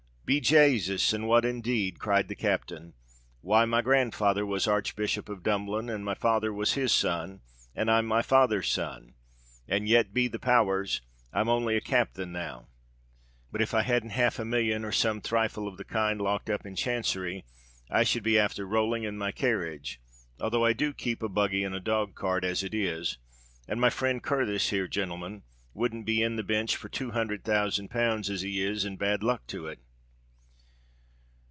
"Be Jasus! and what indeed?" cried the captain. "Why, my grandfather was Archbishop of Dublin—and my father was his son—and I'm my father's son—and yet, be the power rs! I'm only a capthain now! But if I hadn't half a million, or some thrifle of the kind locked up in Chancery, I should be afther rowlling in my carriage—although I do keep a buggy and a dog cart, as it is—and my frind Curthis here, jintlemen, wouldn't be in the Binch for two hunthred thousand pounds, as he is and bad luck to it!"